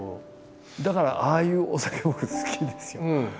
だからああいうお酒僕好きですよ。